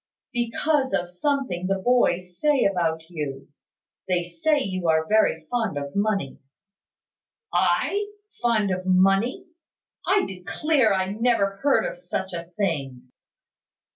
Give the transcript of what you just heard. "Because of something the boys say about you. They say you are very fond of money." "I! Fond of money! I declare I never heard of such a thing."